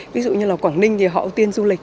ví dụ như là quảng ninh thì họ ưu tiên du lịch